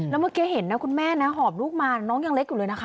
แล้วเมื่อกี้เห็นนะคุณแม่นะหอบลูกมาน้องยังเล็กอยู่เลยนะคะ